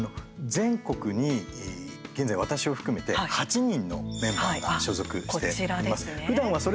全国に現在、私を含めて８人のメンバーが所属しています。